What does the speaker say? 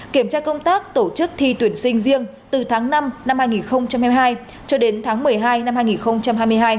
kiểm tra công tác tổ chức thi tuyển sinh riêng từ tháng năm năm hai nghìn hai mươi hai cho đến tháng một mươi hai năm hai nghìn hai mươi hai